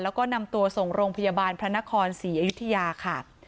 แล้วก็นำตัวส่งโรงพยาบาลพระนครศรีอยุธยาค่ะ